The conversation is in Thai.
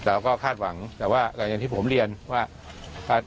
เราก็คาดหวังแต่ว่าอย่างที่ผมเรียนว่า